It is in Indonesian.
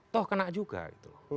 toh kena juga itu